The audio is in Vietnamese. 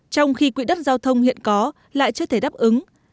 trong khi quỹ đất giao thông hiện có lại chưa thể đáp ứng